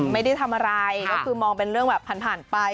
ไม่ได้ทำอะไรก็คือมองเป็นเรื่องแบบผ่านไป